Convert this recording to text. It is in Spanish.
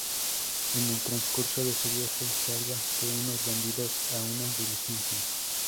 En el transcurso de su viaje salva de unos bandidos a una diligencia.